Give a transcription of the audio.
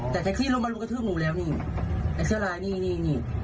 แต่แท็กซี่ลุมมาลุมกระทืบหนูแล้วนี่แท็กซี่ร้ายนี่นี่